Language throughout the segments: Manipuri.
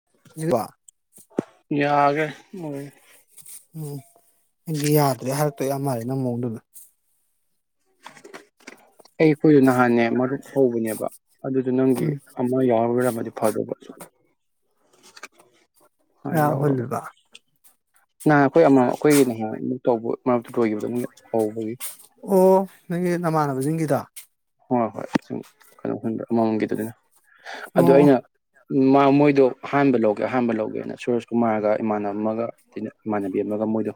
[unintelligible] ꯌꯥꯒꯦ ꯎꯝ [unintelligible] ꯒꯤ ꯌꯥꯗ꯭ꯔꯦ ꯍꯥꯏꯔꯛꯇꯣꯏ ꯌꯥꯝ ꯃꯥꯜꯂꯦ ꯅꯪ ꯃꯋꯣꯡꯗꯣ ꯗꯨꯝ [unintelligible] ꯄꯨꯏ ꯅꯍꯥꯟꯅꯦ ꯃꯔꯨꯞ ꯍꯧꯕꯅꯦꯕ ꯑꯗꯨꯁꯨ ꯅꯪꯒꯤ ꯎꯝ ꯑꯃ ꯌꯥꯍꯧꯔꯝꯃꯗꯤ ꯐꯗꯧꯕ ꯍꯥꯟꯅ ꯀꯌꯥ ꯂꯧꯔꯒ ꯍꯨꯜꯂꯤꯕ꯫ ꯅꯍꯥꯟ ꯑꯩꯈꯣꯏ ꯑꯃꯃꯝ ꯑꯩꯈꯣꯏꯒꯤ ꯅꯍꯥꯟ ꯑꯃꯨꯛ ꯇꯧꯕ ꯃꯔꯛꯇ ꯂꯣꯏꯈꯤꯕꯗꯣ ꯃꯣꯏ ꯍꯧꯕꯒꯤ ꯑꯣ ꯅꯪꯒꯤ ꯅꯥꯃꯥꯟꯅꯕ ꯁꯤꯡꯒꯤꯗꯣ ꯍꯣꯏ ꯍꯣꯏ [unintelligible] ꯑꯗꯣ ꯑꯣ ꯑꯩꯅ ꯃꯥ ꯃꯣꯏꯗꯣ ꯑꯍꯥꯟꯕ ꯂꯧꯒꯦ ꯑꯍꯥꯟꯕ ꯂꯧꯒꯦꯅ ꯁꯨꯔꯖꯁꯨꯃꯥꯔꯒ ꯏꯃꯥꯅꯕ ꯑꯃꯒ ꯇꯤꯅ ꯌꯦꯡꯉꯒ ꯃꯣꯏꯗꯣ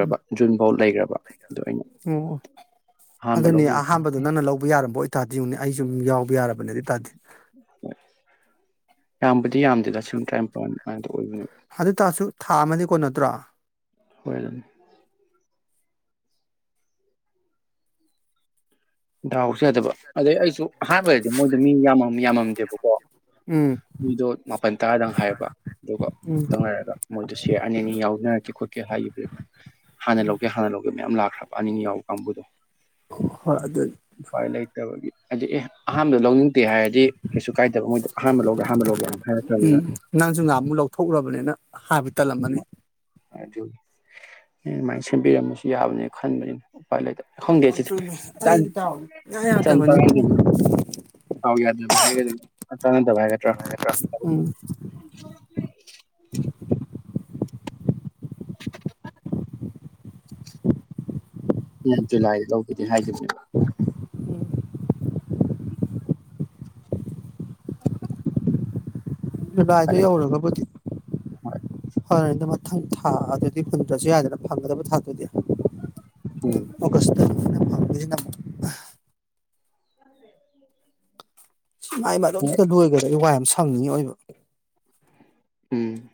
ꯎꯝ ꯖꯨꯟ ꯕꯥꯎ ꯂꯩꯒ꯭ꯔꯥꯕ ꯑꯗꯨ ꯑꯩꯅ ꯑꯣ ꯑꯍꯥꯟꯕ ꯑꯗꯨꯅꯤ ꯂꯧꯗꯣꯏꯅꯦ꯫ ꯑꯍꯥꯟꯕꯗꯣ ꯅꯪꯅ ꯂꯧꯕ ꯌꯥꯔꯕ ꯑꯣꯏ ꯇꯥꯔꯗꯤ ꯌꯦꯡꯎꯅꯦ ꯑꯩꯖꯨ ꯌꯥꯎ ꯌꯥꯔꯕꯅꯦ ꯑꯗꯨꯏ ꯇꯥꯔꯗꯤ꯫ ꯌꯥꯝꯕꯨꯗꯤ ꯌꯥꯝ [unintelligible] ꯑꯗꯨ ꯇꯥꯔꯁꯨ ꯊꯥ ꯑꯃꯗꯤ ꯀꯣꯟꯅ ꯇ꯭ꯔꯥ [unintelligible] ꯗꯥꯎ [unintelligible] ꯑꯗꯩ ꯑꯩꯁꯨ ꯑꯍꯥꯟꯕꯗꯗꯤ ꯃꯣꯏꯗꯣ ꯃꯤ ꯌꯥꯝꯃꯝ ꯃꯤ ꯌꯥꯝꯃꯝꯗꯦꯕꯀꯣ꯫ ꯎꯝ ꯃꯤꯗꯣ ꯃꯥꯄꯟ ꯇꯥꯔꯥ ꯗꯪ ꯍꯥꯏꯔꯛꯄ ꯑꯗꯨꯒ ꯉꯛꯇꯪ ꯂꯩꯔꯒ ꯃꯣꯏꯗꯣ ꯁꯤꯌꯔ ꯑꯅꯤ ꯑꯅꯤ ꯌꯥꯎꯅꯔꯖꯦ ꯈꯣꯠꯀꯦ ꯍꯥꯏꯒꯤꯕꯩ ꯍꯥꯟꯅ ꯂꯧꯒꯦ ꯍꯥꯟꯅ ꯂꯧꯒꯦ ꯃꯌꯥꯝ ꯂꯥꯛꯄꯩ ꯑꯅꯤ ꯌꯥꯎꯕ ꯀꯥꯡꯕꯨꯗꯣ꯫ [inaudible] ꯍꯣꯏ ꯑꯗꯨ ꯎꯄꯥꯏ ꯂꯩ꯫ ꯑꯗ ꯑꯦ ꯑꯍꯥꯟꯕꯗ ꯂꯧꯅꯤꯡ ꯗꯨꯏ ꯍꯥꯏꯔꯗꯤ ꯀꯩꯁꯨ ꯀꯥꯏꯗꯕ ꯃꯣꯏꯗꯣ ꯑꯍꯥꯟꯕ ꯂꯧꯒꯦ ꯑꯍꯥꯟꯕ ꯂꯧꯒꯦꯅ ꯎꯝ ꯍꯥꯏꯔꯛꯈ꯭ꯔꯥꯕꯅꯤꯅ꯫ ꯅꯪꯁꯨ ꯉꯍꯥꯟꯃꯨꯛ ꯂꯧꯊꯣꯛꯎꯔꯕꯅꯤꯅ ꯍꯥꯏꯕ ꯇꯜꯂꯝꯃꯅꯤ ꯑꯗꯨ ꯑꯗꯨꯃꯥꯏꯅ ꯁꯦꯝꯕꯤꯔꯝꯃꯁꯨ ꯌꯥꯕꯅꯤ ꯈꯟꯕꯅꯤꯅ ꯎꯄꯥꯏ ꯂꯩꯇꯕ꯫ ꯏꯆꯥꯟ ꯆꯥꯟꯅꯗꯕꯗꯣ [unintelligible] [unintelligible] [unintelligible] ꯍꯥꯏꯒꯗ꯭ꯔꯥ [unintelligible] ꯎꯝ [unintelligible] [unintelligible] ꯖꯨꯂꯥꯏꯗ ꯂꯧꯒꯦꯗꯤ ꯍꯥꯏꯒꯤꯕꯅꯦ꯫ [unintelligible] ꯎꯄꯥꯏ ꯖꯨꯂꯥꯏꯗꯨ ꯂꯩꯇꯕꯒꯤ ꯌꯧꯔꯒꯕꯨꯗꯤ ꯐꯔꯦꯗ ꯃꯊꯪ ꯊꯥꯗꯨꯗꯤ ꯍꯨꯟꯗ꯭ꯔꯥꯁꯨ ꯌꯥꯔꯦꯗ ꯐꯪꯒꯗꯕ ꯊꯥ ꯎꯝ [unintelligible] ꯑꯣꯒꯁꯇ꯫ [unintelligible] ꯍꯧꯖꯤꯛꯅ ꯃꯨꯛ ꯑꯥ꯫ [unintelligible] ꯍꯣꯏ [unintelligible] ꯂꯣꯏꯒ꯭ꯔꯥꯗꯤ ꯋꯥꯏꯝ ꯁꯪꯅꯤ ꯑꯑꯣꯏꯕ ꯎꯝ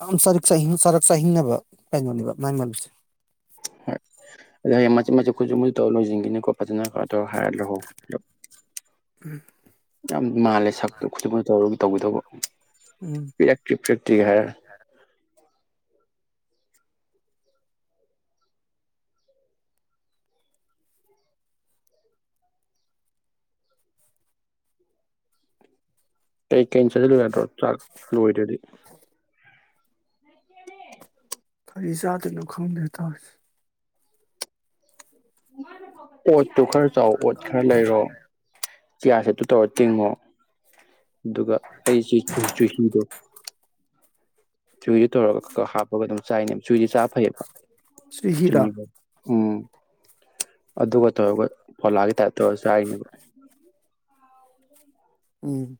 ꯑꯗꯨꯝ ꯆꯥꯔꯛ-ꯆꯥꯍꯤꯡ ꯆꯥꯔꯛ-ꯆꯥꯍꯤꯡꯅꯕ ꯀ‌ꯩꯅ‌ꯣꯅ‌ꯦꯕ ꯃꯥꯏ ꯃꯃꯤꯠꯁꯤ ꯍꯣꯏ ꯄꯣꯠ ꯐꯖꯅꯥ ꯇꯣ ꯍꯥꯏꯔ ꯂꯧꯍꯧ [unintelligible] ꯌꯥꯝ ꯃꯥꯜꯂꯦ ꯁꯛꯇꯨ ꯈꯨꯖꯨ ꯃꯨꯖꯨ ꯇꯧꯔꯒ ꯇꯩꯒꯗꯕ ꯎꯝ ꯄꯤꯔꯛꯇ꯭ꯔꯤ ꯄꯤꯔꯛꯇ꯭ꯔꯤ ꯍꯥꯏꯔ ꯀꯩ ꯀꯩꯟ ꯆꯥꯖꯤꯜꯂꯨ ꯌꯥꯗꯔ‌ꯣ ꯆꯥꯛ ꯂ‌ꯣꯏꯗ꯭ꯔꯥꯗꯤ ꯀꯩ ꯆꯥꯗ‌ꯣꯏꯅ‌ꯣ ꯈꯪꯗ꯭ꯔ‌ꯦ ꯇꯧꯔꯤꯁꯤ ꯑ‌ꯣꯏ ꯇꯨ ꯈꯔꯥ ꯆꯥꯎ ꯑ‌ꯣ꯭ꯠ ꯈꯔꯥ ꯂꯩꯔ‌ꯣ ꯆꯤꯋꯥ ꯁꯤ꯭ꯗ ꯇꯨ ꯇꯧꯔꯥ ꯇꯤꯡꯉ‌ꯣ ꯗꯨꯒ ꯑꯩ ꯆꯨꯏ ꯆꯨꯍꯤꯗ‌ꯣ ꯆꯨꯍꯤꯁꯤ ꯇꯧꯔꯒ ꯀꯛ-ꯀꯛ ꯍꯥꯞꯄꯒ ꯑꯗꯨꯝ ꯆꯥꯏꯅ‌ꯦꯕ ꯆꯨꯍꯤꯁ‌ꯦ ꯆꯥ ꯐꯩꯌ‌ꯦꯕ ꯁꯤ ꯍꯤꯔꯥ ꯆꯤꯅꯤ ꯎꯝ ꯑꯗꯨꯒ ꯇꯧꯔꯒ ꯐ‌ꯣꯂꯥꯒꯤ ꯇꯥꯏꯞ ꯇꯧꯔꯒ ꯆꯥꯏꯅ‌ꯦꯕ ꯎꯝ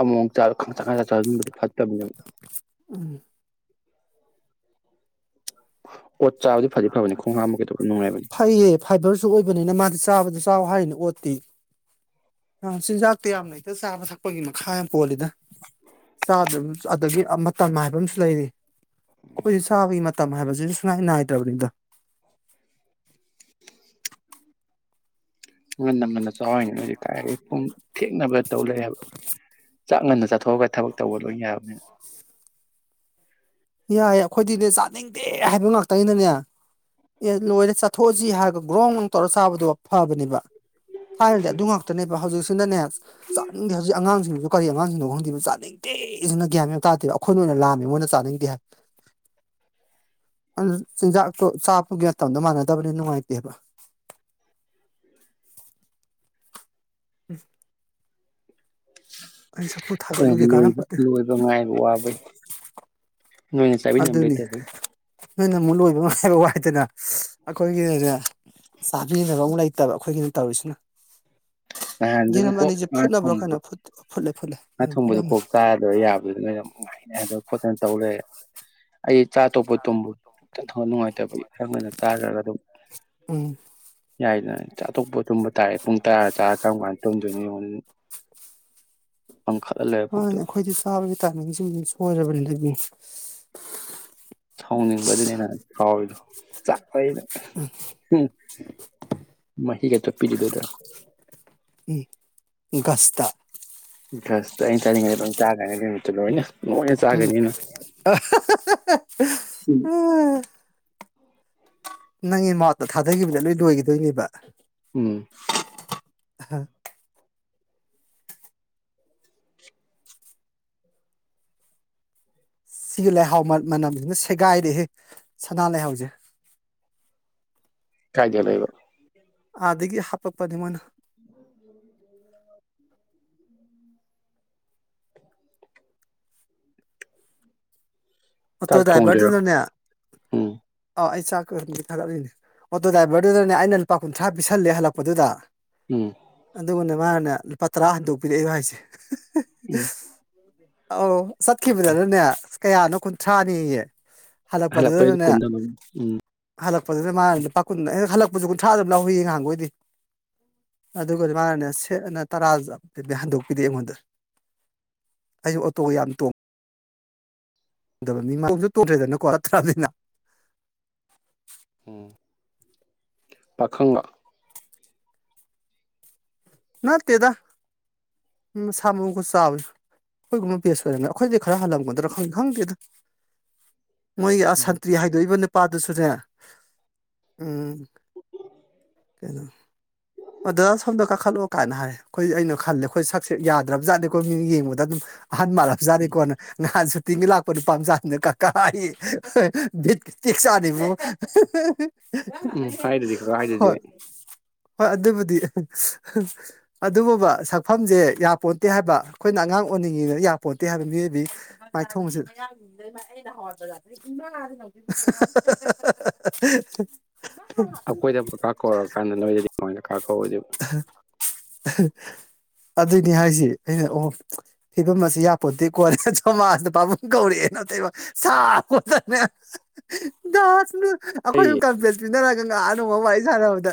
ꯑꯃ‌ꯣꯛ ꯆꯥꯛ ꯈꯪ ꯆꯥꯛ ꯆꯥꯁꯤꯟꯕꯗꯨ ꯐꯠꯇ‌ꯝꯅꯤ ꯎꯝ [unintelligible] ꯐꯗꯤ ꯐꯕꯅꯤ ꯈꯣꯡ ꯍꯥꯝꯕ ꯀꯩꯗꯧꯕ ꯅꯨꯡꯉꯥꯏꯕꯅꯤ ꯐꯩꯌ‌ꯦ ꯐꯥꯏꯕꯔꯁꯨ ꯑ‌ꯣꯏꯕꯅꯤꯅ ꯃꯥꯁꯤ ꯆꯥꯕꯗꯁꯨ ꯆꯥꯎ ꯍꯥꯏꯔꯤꯅ‌ꯦ ꯑ‌ꯣꯠꯇꯤ ꯑꯥ ꯆꯤꯟꯖꯥꯛꯇꯨ ꯌꯥꯝꯅ ꯍ‌ꯦꯛꯇ ꯆꯥꯕ ꯆꯠꯄꯥꯒꯤ ꯃꯥꯈꯥ ꯄ‌ꯣꯜꯂꯤꯗ ꯆꯥꯗꯔꯥꯝ ꯑꯗꯥꯒꯤ ꯑ ꯃꯥꯇꯝ ꯍꯥꯏꯕꯝꯁꯨ ꯂꯩꯔꯤ ꯑꯩꯈ‌ꯣꯏꯁꯤ ꯆꯥꯕꯩ ꯃꯇꯝ ꯍꯥꯏꯕꯁ‌ꯦ ꯁꯨꯛ ꯅꯥꯏ ꯅꯥꯏ ꯗꯧꯔꯤꯗ ꯉꯟꯅ ꯉꯟꯅ ꯆꯥꯎ ꯍꯥꯏꯅꯤ ꯅ‌ꯣꯏꯗꯤ ꯀꯥꯏꯗꯩ ꯄꯨꯡ ꯊ‌ꯦꯡꯅꯕ ꯇꯧꯂꯩ ꯍꯥꯏꯕ ꯆꯥꯛ ꯉꯟꯅ ꯆꯥꯊ‌ꯣꯛꯑꯒ ꯊꯕꯛ ꯇꯧꯕ ꯂ‌ꯣꯏꯅ ꯌꯥꯕꯅꯤ ꯌꯥꯏꯌ‌ꯦ ꯑꯩꯈ‌ꯣꯏꯗꯤꯅ‌ꯦ ꯆꯥꯅꯤꯡꯗ‌ꯦ ꯍꯥꯏꯕ ꯉꯥꯛꯇꯅꯤꯅꯅ‌ꯦ ꯑ‌ꯦ ꯂ‌ꯣꯏꯔ‌ꯦ ꯆꯥꯊ‌ꯣꯛꯑꯁꯤ ꯍꯥꯏꯔꯒ ꯒ꯭ꯔ‌ꯣꯡ ꯅ‌ꯣꯡ ꯇꯧꯔꯒ ꯆꯥꯕꯗ‌ꯣ ꯐꯥꯕꯅ‌ꯦꯕ ꯊꯥꯏꯅꯗꯤ ꯑꯗꯨꯉꯥꯛꯇꯅ‌ꯦ ꯍꯧꯖꯥꯛꯁꯤꯅꯅ‌ꯦ ꯆꯥꯅꯤꯡꯗ‌ꯦ ꯍꯧꯖꯥꯛ ꯑꯉꯥꯡꯁꯤꯡꯗ‌ꯣ ꯀꯔꯤ ꯑꯉꯥꯡꯁꯤꯡꯅ‌ꯣ ꯈꯪꯗ‌ꯦ ꯆꯥꯅꯤꯡ ꯅꯨꯡꯇꯤꯒꯤ ꯒꯥꯟ ꯑꯝ ꯇꯥꯗ‌ꯦ ꯑꯈ‌ꯣꯏꯅ ꯑ‌ꯣꯏꯅ ꯂꯥꯝꯌ‌ꯦ ꯃ‌ꯣꯏꯅ ꯆꯥꯅꯤꯡꯗ‌ꯦ ꯑꯗꯣ ꯆꯤꯟꯖꯥꯛꯇꯣ ꯆꯥꯕꯩ ꯃꯈꯝꯗꯣ ꯃꯥꯟꯅ ꯃꯥꯟꯅꯗꯥꯃꯤꯅ ꯅꯨꯡꯉꯥꯏꯇꯦꯕ [inaudible] [unintelligible] ꯑꯩ ꯁꯐꯨ ꯈꯣꯏꯗꯤ ꯊꯥꯒꯠꯂꯨꯒꯦ ꯂꯣꯏ ꯀꯥꯟꯅꯄꯣꯠꯇꯦ ꯂꯣꯏ ꯉꯥꯏꯕ ꯋꯥꯕꯩ ꯅꯣꯏꯅ ꯆꯥꯕꯤꯅꯕ ꯑꯗꯨꯅꯤ ꯂꯩꯇꯕꯩ꯫ ꯅꯣꯏꯅ ꯑꯃꯨꯛ ꯂꯣꯏꯕ ꯉꯥꯏꯕ ꯋꯥꯏꯗꯅ ꯑꯈꯣꯏꯒꯤ ꯆꯥꯕꯤꯅꯕ ꯃꯨꯛ ꯂꯩꯇꯕ ꯑꯈꯣꯏꯒꯤꯅ ꯇꯧꯔꯤꯁꯤꯅ꯫ ꯌꯦꯔꯨꯝ ꯅꯍꯥꯟꯗꯨꯕꯨꯀꯣꯛ ꯑꯅꯤꯁꯦ ꯉꯥ ꯐꯨꯠꯅꯕ꯭ꯔꯣ ꯀꯩꯅꯣ ꯊꯣꯡꯕꯗꯣ ꯐꯨꯠꯂꯦ ꯐꯨꯠꯂꯦ ꯉꯥ ꯌꯦꯔꯨꯝ ꯊꯣꯡꯕꯗꯣ ꯐꯨꯠꯂꯝꯃꯦ ꯀꯣꯛ ꯆꯥꯔꯗꯣꯏ ꯌꯥꯕꯗꯨꯗ ꯅꯣꯏꯅ [unintelligible] ꯈꯣꯠꯇꯅ ꯇꯧ ꯂꯩꯔꯦ꯫ ꯑꯩ ꯆꯥ ꯇꯣꯛꯄ ꯇꯨꯝꯕꯣ [unintelligible] ꯅꯨꯉꯥꯏꯇꯕꯩ ꯈꯔ ꯉꯟꯅ ꯆꯥꯔꯒ ꯗꯨꯝ ꯎꯝ ꯌꯥꯏꯗꯅ꯫ ꯆꯥꯛ ꯇꯣꯛꯄ ꯇꯨꯝꯕ ꯇꯥꯔꯦ ꯄꯨꯡ ꯇꯔꯥ ꯆꯥ - ꯀꯔꯝꯀꯥꯟ ꯇꯨꯝꯗꯣꯏꯅꯣ ꯌꯦꯡꯉꯣꯗꯨꯗꯤ꯫ ꯃꯥꯅꯦ ꯑꯈꯣꯏꯗꯤ ꯆꯥꯕꯒꯤ ꯇꯥꯏꯃꯤꯡ ꯁꯤꯃꯗꯤ ꯁꯣꯏꯔꯕꯅꯤꯗ ꯏꯕꯨꯡꯉꯣ꯫ [inaudible] ꯆꯥ꯫ ꯐꯩꯌꯦꯅ ꯍꯨꯡ ꯃꯍꯤꯒ [unintelligible] ꯎꯝ ꯒꯁꯇ꯫ ꯒꯁꯇ ꯑꯩ ꯆꯥꯅꯤꯡꯉꯗꯤ ꯂꯣꯏ ꯆꯥꯒꯔꯅꯤ ꯑꯗꯨꯏ ꯅꯨꯃꯤꯠꯇꯣ ꯂꯣꯏꯅ꯫ ꯂꯣꯏꯅ ꯆꯥꯒ꯭ꯔꯅꯤꯅꯦ [unintelligible] ꯅꯪꯒꯤ ꯝꯥꯎꯠꯇ ꯊꯗꯒꯤꯕꯗ ꯂꯣꯢ ꯂꯣꯏꯒꯤꯗꯣꯏꯅꯦꯕ ꯎꯝ ꯑꯍ ꯁꯤꯒꯤ ꯂꯩꯍꯥꯎ ꯝꯠ ꯃꯅꯝꯁꯤꯅ ꯁꯦꯒꯥꯏꯔꯦ ꯁꯅꯥ- ꯂꯩꯍꯥꯎꯖꯦ ꯀꯥꯏꯗ ꯍꯦꯛꯂꯛꯏꯕ ꯑꯥꯗꯒꯤ ꯍꯄꯛꯄꯅꯦ ꯃꯣꯏꯅ ꯑꯣꯇꯣ ꯆꯥꯛ ꯗꯔ꯭ꯥꯏꯕꯔ ꯊꯣꯡꯗꯣꯏꯔꯣ ꯗꯨꯅꯥꯅꯦ ꯎꯝ ꯑꯣ ꯑ ꯆꯥꯛ [unintelligible] ꯊꯥꯒꯠꯂꯤꯅꯦ ꯑꯣꯇꯣ ꯗꯔ꯭ꯥꯏꯕꯔ ꯗꯨꯗꯅꯦ ꯑꯩꯅ ꯂꯨꯄꯥ ꯀꯨꯟꯊꯔ꯭ꯥ ꯄꯤꯁꯜꯂꯦ ꯍꯜꯂꯛꯄꯗꯨꯗ ꯎꯝ ꯑꯗꯨꯒꯅꯦ ꯃꯥꯅꯅꯦ ꯂꯨꯄꯥ ꯇꯔꯥ ꯍꯟꯇꯣꯛꯄꯤꯔꯛꯏꯕ ꯍꯥꯌꯖꯦ ꯎꯝ ꯑꯧ ꯆꯠꯈꯤꯕꯗꯅꯅꯦ ꯀꯌꯥꯅꯣ ꯀꯨꯟ ꯊꯔ꯭ꯥ ꯅꯦꯌꯦ ꯍꯜꯂꯛꯄꯩ ꯀꯨꯝꯗꯃꯟ ꯎꯪ ꯍꯜꯂꯛꯄꯗꯨꯗ ꯃꯅꯥꯅꯦ ꯂꯨꯄꯥ ꯀꯨꯟ ꯑꯩꯅ ꯍꯜꯛꯄꯁꯨ ꯀꯨꯟꯊꯔꯥ ꯑꯗꯨꯝ ꯂꯧꯏ ꯅꯥꯍꯥꯟꯒꯣꯏꯗꯤ ꯑꯗꯨꯒꯗꯤ ꯃꯥꯅꯅꯦ ꯁꯦꯠ ꯑꯅ ꯇꯥꯔꯥ [unintelligible] ꯍꯟꯇꯣꯛꯄꯤꯔꯑꯦ ꯑꯩꯉꯣꯟꯗ ꯑꯩꯖꯨ ꯑꯣꯇꯣ ꯌꯥꯝ ꯇꯣꯡ ꯗꯕ ꯃꯤ ꯇꯣꯡꯖꯨ ꯇꯣꯡꯗꯔ꯭ꯦꯗꯅꯀꯣ [unintelligible] ꯎꯝ ꯄꯥꯈꯪꯂꯣ ꯅꯠꯇꯦꯗ ꯃꯁꯥ ꯃꯎꯒ ꯆꯥꯎꯏ ꯑꯈꯣꯏꯒꯨꯝꯕ ꯕꯦꯖ ꯑꯣꯏꯔꯝꯅꯤ ꯑꯈꯣꯏꯗꯩꯩ ꯈꯔ ꯍꯜꯂꯝꯒꯗꯔꯥ ꯈꯪ ꯍꯪꯗꯦꯗ ꯃꯣꯏꯒꯤ ꯑꯥ ꯎꯝ ꯁꯟꯇꯔꯤ ꯍꯥꯏꯗꯣꯛꯏꯕ ꯅꯤꯄꯥꯗꯨꯁꯨꯅꯦ ꯎꯝꯝ ꯀꯩꯅꯣ ꯑꯗꯥ ꯁꯣꯝꯗ ꯀꯈꯠꯂꯣ ꯀꯥꯏꯅ ꯍꯥꯏ ꯈꯣꯏ ꯑꯩꯅ ꯈꯜꯂꯦ ꯑꯈꯣꯏ ꯁꯛꯁꯦ ꯌ꯭ꯗꯔꯥꯕꯖꯥꯠꯅꯦꯀꯣ ꯃꯤꯃꯤꯅꯥ ꯌꯦꯡꯕꯗ ꯗꯨꯝ ꯑꯍꯜ ꯃꯥꯜꯂꯕꯖꯥꯠꯅꯦꯀꯣꯅ ꯅꯍꯥꯟ ꯁꯨꯇꯤꯡꯒꯤ ꯂꯥꯛꯄꯥ ꯅꯤꯄꯥ-ꯃꯆꯥꯅ ꯀꯥꯀꯥ ꯑꯌꯦ ꯕꯤꯠꯀꯥ ꯇꯦꯛ ꯖꯥꯠꯅꯤꯕꯣ ꯍꯥꯏꯗꯨꯗꯤ ꯀꯀꯥ ꯍꯥꯏꯗꯨꯗꯤ ꯍꯣꯏ ꯍꯣꯏ ꯑꯗꯨꯕꯨꯗꯤ ꯗꯤ [unintelligible] ꯑꯗꯨꯕꯣꯕꯥ ꯁꯛꯐꯝꯁꯦ ꯌꯥꯄꯣꯇꯦ ꯍꯥꯏꯕ ꯈꯣꯏꯅ ꯑꯉꯥꯡ ꯑꯣꯟꯅꯤꯡꯉꯦꯅ ꯌꯥꯄꯣꯟꯇꯦ ꯍꯥꯌꯕ ꯃꯤꯑꯣꯏꯕꯩ ꯃꯥꯏꯊꯣꯡꯁꯦ ꯑꯩꯈꯣꯏꯗ ꯐꯕꯥ ꯀꯧꯔꯀꯥꯟꯗ ꯅꯣꯏꯗꯗꯤ ꯀꯃꯥꯏꯅ ꯀꯥ ꯀꯧꯔꯣꯏꯗꯤ ꯑꯍ ꯑꯗꯨꯅꯦ ꯍꯥꯏꯖꯦ ꯑꯩꯅ ꯑꯣ ꯐꯤꯕꯝ ꯑꯁꯦ ꯌꯥꯄꯣꯟꯇꯦꯀꯣ ꯁꯃꯥꯖꯗ ꯄꯥꯕꯨꯡ ꯀꯧꯔꯛꯑꯦꯅ ꯑꯊꯧꯕ ꯁꯥꯎꯈꯣꯠꯇꯅꯦ ꯖꯥꯠ ꯑꯩꯈꯣꯏ ꯑꯩ ꯑꯍꯨꯝ ꯀꯟꯐꯝꯦꯟꯁ ꯄꯤꯅꯔ ꯑꯗꯨꯅ ꯑꯅꯧꯕ ꯃꯥꯏ ꯁꯥꯅꯕꯗ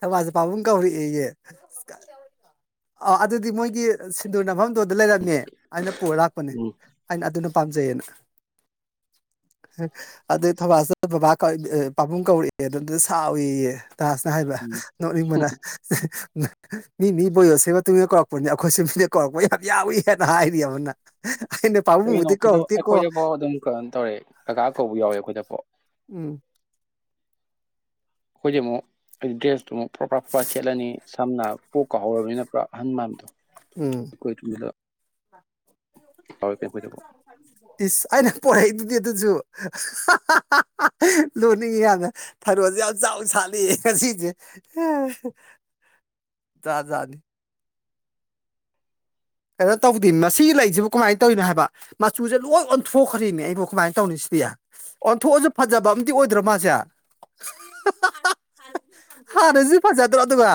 ꯊꯕꯥꯖꯨ ꯄꯥꯕꯨꯡ ꯀꯧꯔꯛꯑꯦꯌꯦ ꯑ ꯑꯗꯨꯗꯤ ꯃꯣꯏꯒꯤ ꯁꯤꯟꯗꯨꯔ ꯅꯝꯐꯝ ꯗꯨꯗ ꯂꯩꯔꯝꯃꯦ ꯑꯩꯅꯥ ꯄꯨꯔ ꯂꯥꯛꯄꯅꯦ ꯎꯝ ꯑꯩꯅ ꯑꯗꯨꯗꯨ ꯄꯥꯝꯖꯩꯌꯦꯟ ꯑꯗꯩꯩ ꯊꯧꯕꯥꯜ ꯆꯠꯂ ꯕꯥꯕ ꯀꯧꯏ ꯑꯦ ꯄꯕꯨꯡ ꯀꯧꯔꯛꯑꯦ ꯑꯗꯨꯗ ꯁꯥꯎꯋꯦꯌꯦ ꯇꯥꯁꯅꯥ ꯎꯝ ꯅꯣꯛꯅꯤꯡꯕꯅ ꯃꯤ ꯃꯤ ꯕꯣꯏꯌꯣꯁ ꯃꯇꯨꯡ ꯏꯟꯅ ꯀꯧꯔꯛꯄꯅꯤ ꯑꯩꯈꯣꯏꯁꯨ ꯃꯤꯅ ꯀꯧꯔꯛꯄ ꯌꯥꯝ ꯌꯥꯎꯋꯤ ꯍꯦꯛꯇ ꯍꯥꯏꯔꯤꯕ ꯀꯩꯅꯣ ꯑꯩ ꯈꯣꯏꯗꯐꯥꯎ ꯑꯗꯨꯝ ꯀꯥꯀꯥ ꯀꯧꯕ ꯌꯥꯎꯌꯦ ꯑꯈꯣꯏꯗꯐꯥꯎ ꯎꯝ ꯈꯣꯏꯗꯤ ꯃꯨꯛ ꯗ꯭ꯔꯦꯁꯇꯣ ꯐꯔꯣꯐ ꯐꯔꯣꯐ ꯁꯦꯠꯂꯅꯤ ꯁꯝꯅ ꯄꯣꯛꯀ ꯍꯧꯔꯕꯅꯤꯅ ꯄꯨꯔꯥ ꯑꯍꯟ ꯃꯥꯟꯕꯗꯣ ꯎꯝ ꯑꯩꯈꯣꯏ ꯇꯨꯝꯖꯤꯂꯥꯎ ꯏꯁ ꯑꯩ ꯅ ꯄꯣꯏꯗꯨꯗꯤ ꯑꯗꯨꯖꯨ ꯍꯥ ꯍꯥ ꯍꯥ ꯍꯥ ꯅꯣꯛꯅꯤꯡꯉꯤ ꯌꯥꯝꯅ ꯊꯔꯣꯖꯦ ꯌꯥꯝ ꯆꯥꯎ ꯁꯥꯠꯂꯦꯌꯦ ꯉꯁꯤꯖꯦ ꯑꯥ ꯖꯥꯠ ꯖꯥꯠꯅꯤ ꯀꯩꯅꯣ ꯇꯧꯕꯗꯤ ꯃꯁꯤ ꯂꯩꯖꯤꯕꯨ ꯀꯃꯥꯏ ꯇꯧꯏꯅꯣ ꯍꯥꯏꯕ ꯃꯆꯨꯖꯦ ꯂꯣꯏ ꯑꯣꯟꯊꯣꯛꯈꯔ꯭ꯦꯃꯦ ꯑꯩ ꯕꯣ ꯀꯃꯥꯏ ꯇꯧꯅꯤ ꯁꯤꯗꯤ ꯑꯣꯟꯊꯣꯛꯑꯖꯨ ꯐꯖꯕ ꯑꯝꯗꯤ ꯑꯣꯏꯗꯔꯣ ꯃꯥꯖꯦ ꯍꯥ ꯍꯥ ꯍꯥꯟꯅꯖꯨ ꯐꯖꯗꯔꯣ ꯑꯗꯨꯒ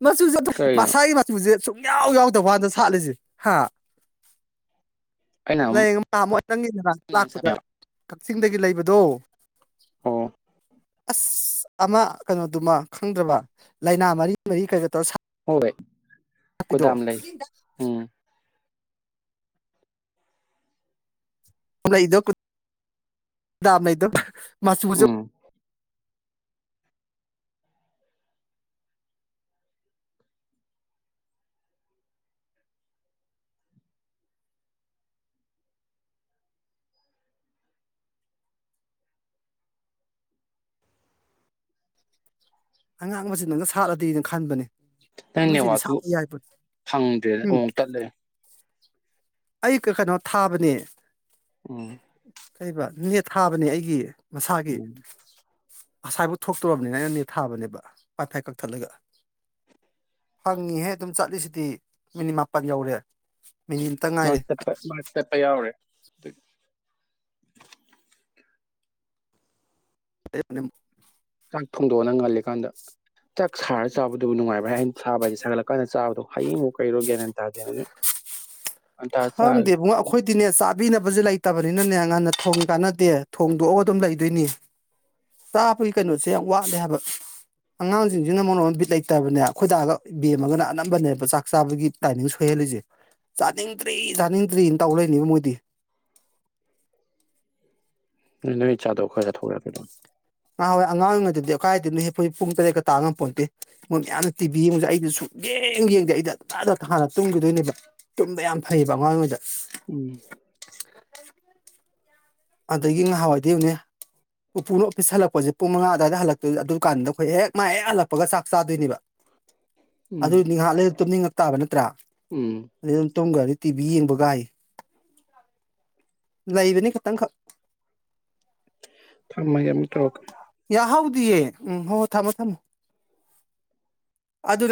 ꯃꯆꯨꯖꯦ ꯑꯣꯟꯊꯣꯛ ꯀꯩꯅꯣ ꯃꯁꯥꯒꯤ ꯃꯆꯨꯖꯦ ꯁꯨꯛ ꯏꯌꯥꯎ ꯌꯥꯎꯗꯕꯋꯥꯟꯅꯤꯗ ꯁꯥꯠꯂꯤꯖꯦ ꯍꯥ ꯑꯩꯅ ꯑꯃꯨꯛ ꯂꯩ ꯎꯝ ꯅꯥꯍꯟꯃꯨꯛ ꯅꯪꯒꯤ ꯅꯅꯥꯛꯇ ꯂꯥꯛꯄꯗ ꯀꯛꯆꯤꯡꯗꯒꯤ ꯂꯩꯕꯗꯣ ꯑꯣ ꯑꯁꯁ ꯑꯃ ꯀꯩꯅꯣꯗꯨꯃꯥ ꯈꯪꯗꯔꯕ ꯂꯩꯅꯥ ꯃꯔꯤ ꯃꯔꯤꯒ ꯀꯩꯒꯥ ꯇꯧꯔꯥ ꯁꯥꯠ ꯍꯣꯏ [inaudible] ꯒꯣꯗꯥꯝ ꯂꯩ ꯑꯇꯞꯄꯤꯗꫭ ꯎꯝ [unintelligible] ꯑꯝꯔꯩꯗꯣ ꯀꯨꯠ ꯗꯥꯝ ꯂꯩꯗꯣ ꯃꯆꯨꯖꯦ ꯎꯝ ꯑꯉꯥꯡꯕꯖꯤꯗꯪꯒ ꯁꯥꯠꯂꯗꯤꯅ ꯈꯟꯕꯅꯦ ꯅꯪ ꯑꯃꯁꯤꯗꯤ ꯅꯦꯠꯋꯥꯔꯛꯇꯨ ꯁꯥꯠꯄ ꯌꯥꯏꯄꯣꯠ ꯐꯪꯗ꯭ꯔꯦ ꯎꯝ ꯑꯃꯨꯃꯨꯛ ꯇꯠꯂꯦ ꯑꯩ ꯀ ꯀꯩꯅꯣ ꯊꯥꯕꯅꯦ ꯎꯝ ꯀꯩꯕ ꯅꯦꯠ ꯊꯥꯕꯅꯦ ꯑꯩ ꯒꯤ ꯃꯁꯥꯒꯤ ꯎꯝ ꯑꯁꯥꯏ ꯐꯥꯎ ꯊꯣꯛꯇꯣꯔꯅꯤꯅ ꯑꯩꯅ ꯅꯦꯠ ꯊꯥꯕꯅꯦꯕ ꯋꯥꯏꯐꯥꯏ ꯀꯛꯊꯥꯠꯂꯒ ꯐꯪꯏꯉꯤꯍꯦ ꯑꯗꯨꯝ ꯆꯠꯂꯤꯁꯤꯗꯤ ꯃꯤꯅꯤꯠ ꯃꯄꯥꯜ ꯌꯧꯔꯦ ꯃꯤꯅꯤꯠ ꯑꯝꯇ ꯉꯥꯏꯔꯦ ꯃꯔꯛꯇ ꯈꯤꯠꯇꯪ ꯇꯠꯄ ꯌꯥꯎꯔꯦ [inaudible] [inaudible] ꯆꯥꯛ ꯊꯣꯡꯗꯣꯛꯑꯣ ꯅꯪ ꯉꯟꯂꯤ ꯀꯥꯟꯗ ꯆꯥꯛ ꯁꯥꯔꯒ ꯆꯥꯕꯗꯨꯕꯨ ꯅꯨꯡꯉꯥꯏꯕꯔ ꯁꯥꯕꯗꯤ ꯁꯥꯒꯠꯂꯛꯄ ꯆꯥꯕꯗꯨ ꯍꯩꯌꯤꯡ ꯋꯣ ꯀꯩꯋꯣ ꯒꯤꯌꯥꯟ ꯃꯦꯟ ꯇꯥꯗꯦ ꯈꯪꯗꯦꯕꯣ ꯑꯈꯣꯏ ꯗꯤꯅꯦ ꯆꯥꯕꯤꯅꯕꯁꯦ ꯂꯩꯇꯕꯅꯤꯅꯦ ꯉꯟꯅ ꯊꯣꯡ ꯀꯥꯟꯅꯗꯦ ꯊꯣꯡꯗꯣꯛ ꯑꯗꯨꯝ ꯂꯩꯗꯣꯏꯅꯤ ꯆꯥꯕꯒꯤ ꯀꯩꯅꯣꯁꯦ ꯌꯥꯝꯋꯥꯠꯂꯦ ꯍꯥꯏꯕ ꯑꯉꯥꯡꯁꯤꯡ ꯁꯤꯅ ꯃꯔꯣꯜ ꯑꯃ ꯕꯤꯠ ꯂꯩꯇꯕꯅꯦ ꯑꯩꯈꯣꯏ ꯗꯥꯒ ꯕꯦꯝꯃꯒ ꯅ ꯑꯅꯝꯕꯅꯦꯕ ꯆꯥꯛ ꯆꯥꯕꯒꯤ ꯇꯥꯏꯃꯤꯡ ꯁꯦꯏꯍꯜꯂꯤꯁꯦ ꯆꯥꯅꯤꯡ ꯗꯔꯤ ꯆꯅꯤꯡꯗꯔꯤ ꯇꯧ ꯂꯩꯗꯣꯏꯅꯤ ꯃꯣꯏꯗꯤ ꯅꯣꯏ ꯆꯥꯗꯧꯕ ꯈꯔ ꯆꯥꯊꯣꯛ ꯌꯥꯗꯔꯣ ꯑꯗꯨꯝ ꯅꯍꯥꯟ ꯋꯥꯏ ꯑꯉꯥꯡ ꯑꯣꯏꯔꯤꯉꯩꯗꯗꯤ ꯀꯥꯏꯗꯦꯅꯦ ꯈꯣꯏ ꯄꯨꯡ ꯇꯔꯦꯠꯀ ꯇꯥ ꯉꯝꯄꯣꯠꯇꯦ ꯃꯣꯏ ꯃꯌꯥꯝꯅ ꯇꯤꯕꯤ ꯌꯦꯡꯕꯁꯦ ꯑꯩꯗꯤ ꯁꯨꯡꯌꯦꯡ ꯌꯦꯡꯗꯦ ꯑꯩꯗꯤ ꯉꯟꯇꯅ ꯍꯥꯟꯅ ꯇꯨꯝꯈꯤꯗꯣꯏꯅꯦꯕ ꯇꯨꯝꯕ ꯌꯥꯝꯐꯩꯌꯦꯕ ꯑꯉꯥꯡ ꯑꯣꯏꯔꯤꯉꯩꯗ ꯎꯝ ꯑꯗꯩꯗꯤ ꯅꯍꯥꯟ ꯋꯥꯏꯗꯤ ꯌꯦꯡꯉꯨꯅꯦ ꯄꯨꯄꯨꯅ ꯑꯣꯐꯤꯁ ꯍꯜꯂꯛꯄꯁꯦ ꯄꯨꯡ ꯃꯉꯥ ꯑꯕꯥꯏꯗ ꯍꯜꯂꯛ ꯑꯗꯨꯝ ꯀꯥꯟꯗ ꯑꯈꯣꯏꯍꯦꯛ ꯃꯥꯍꯦꯛ ꯍꯜꯂꯛꯄꯒ ꯆꯥꯛ ꯆꯥꯗꯣꯏꯅꯦꯕ ꯎꯝ ꯑꯗꯨꯅꯤ ꯉꯥꯍꯥꯛ ꯂꯩꯔ ꯇꯨꯝꯅꯤꯡ ꯉꯛꯇꯕ ꯅꯠꯇ꯭ꯔ ꯎꯝ ꯑꯗꯩ ꯑꯗꯨꯝ ꯇꯨꯝꯈꯔꯅꯤ ꯇꯤꯕꯤ ꯌꯦꯡꯕ ꯒꯥꯏꯌꯦ ꯂꯩꯕꯅꯤ ꯈꯥꯇꯪ ꯈꯛ ꯊꯝꯃꯒꯦ ꯑꯃꯨꯛ ꯇꯧꯔꯛꯀꯦ ꯌꯥꯍꯧ ꯗꯤꯌꯦ ꯎꯝ ꯍꯣ ꯊꯝꯃꯣ ꯊꯝꯃꯣ ꯑꯗꯨꯗ